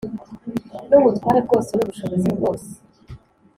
n’ubutware bwose n’ubushobozi bwose